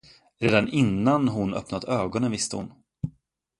Redan innan hon öppnat ögonen, visste hon.